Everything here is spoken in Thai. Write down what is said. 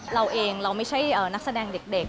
เราเองเราไม่ใช่นักแสดงเด็ก